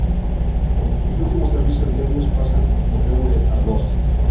Sus últimos servicios diarios pasan por Torrejón de Ardoz.